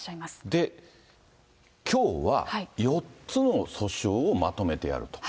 で、きょうは４つの訴訟をまとめてやると。